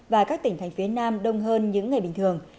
và các tỉnh thành phía nam đông hơn những ngày bình thường